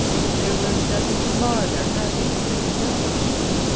"There was nothing to mar their happiness that you know of?